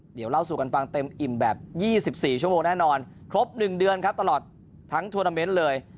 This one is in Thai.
เดี๋ยวเล่าสู่กันฟังเต็มอิ่มแบบ๒๔ชั่วโมงแน่นอนครบ๑เดือนครับตลอดทั้งทวนาเมนต์เลย